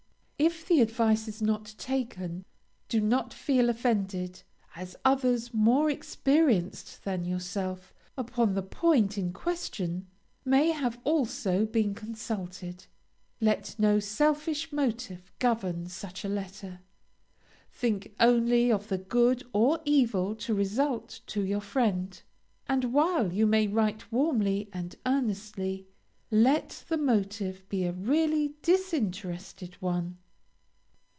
If the advice is not taken, do not feel offended, as others, more experienced than yourself upon the point in question, may have also been consulted. Let no selfish motive govern such a letter. Think only of the good or evil to result to your friend, and while you may write warmly and earnestly, let the motive be a really disinterested one.